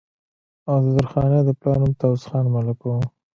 او د درخانۍ د پلار نوم طاوس خان ملک وو